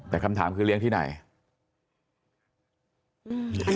แต่คำถามคือเลี้ยงที่ไหน